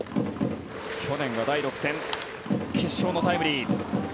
去年は第６戦決勝のタイムリー。